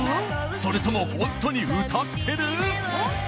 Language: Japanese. それともホントに歌ってる？